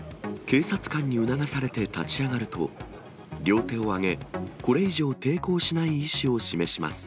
警察官に促されて立ち上がると、両手を上げ、これ以上抵抗しない意思を示します。